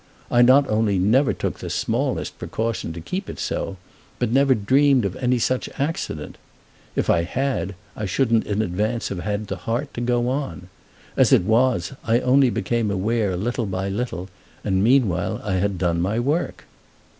I not only never took the smallest precaution to keep it so, but never dreamed of any such accident. If I had I shouldn't in advance have had the heart to go on. As it was, I only became aware little by little, and meanwhile I had done my work."